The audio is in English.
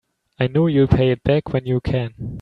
I know you'll pay it back when you can.